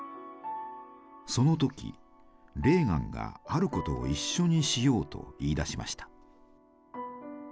その時レーガンがあることを一緒にしようと言いだしました。